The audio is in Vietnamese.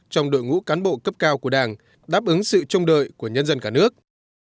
trong đội ngũ cán bộ cấp cao của đảng đáp ứng sự trông đợi của nhân dân cả nước